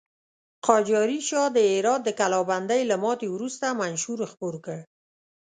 قاجاري شاه د هرات د کلابندۍ له ماتې وروسته منشور خپور کړ.